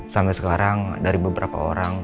sampai sekarang dari beberapa orang